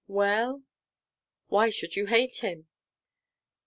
"Well?" "Why should you hate him?"